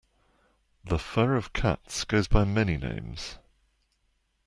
The fur of cats goes by many names.